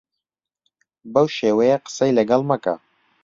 بەو شێوەیە قسەی لەگەڵ مەکە.